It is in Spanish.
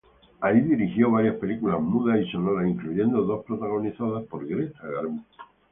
Ahí, dirigió varias películas mudas y sonoras, incluyendo dos protagonizadas por Greta Garbo.